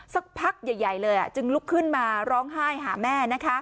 สักพักใหญ่เลยจึงลุกขึ้นมาร้องไห้หาแม่